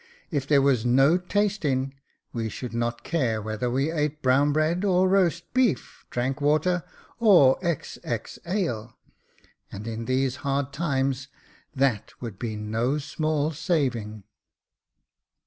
If there was no tasting, we should not care whether we ate brown bread or roast beef, drank water or XX ale j and in these hard times, that would be no small saving."